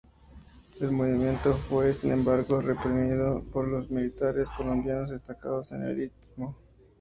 El movimiento fue, sin embargo, reprimido por los militares colombianos destacados en el istmo.